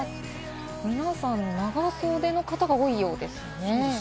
皆さん、長袖の方が多いようですね。